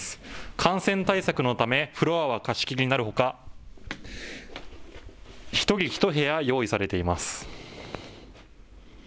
感染対策のためフロアは貸し切りになるほか、１人１部屋が用意されています。